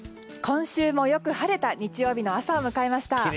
今週もよく晴れた日曜日の朝を迎えました。